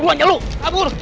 buruan jangan kabur